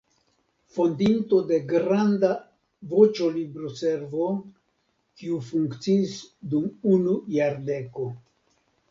Fondinto de granda "Voĉo-Libroservo" kiu funkciis dum unu jardeko.